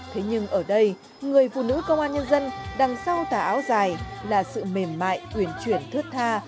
thế nhưng ở đây người phụ nữ công an nhân dân đằng sau tà áo dài là sự mềm mại tuyển truyền thước tha